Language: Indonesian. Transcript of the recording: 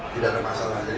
tidak ada masalah